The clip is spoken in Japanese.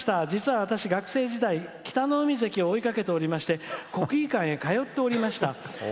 実は、私、学生時代北の湖関を追いかけていまして国技館へ通っておりました。